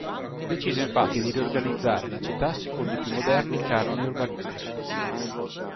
Decise infatti di riorganizzare la città secondo i più moderni canoni urbanistici.